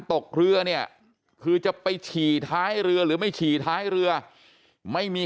ตกเรือเนี่ยคือจะไปฉี่ท้ายเรือหรือไม่ฉี่ท้ายเรือไม่มี